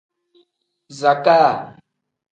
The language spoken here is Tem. Zakaa.